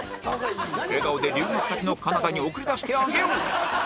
笑顔で留学先のカナダに送り出してあげよう！